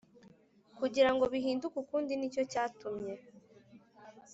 kugira ngo bihinduke ukundi Ni cyo cyatumye